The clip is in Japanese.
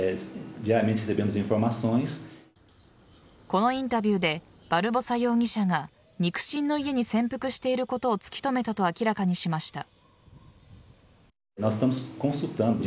このインタビューでバルボサ容疑者が肉親の家に潜伏していることを突き止めたと明らかにしました。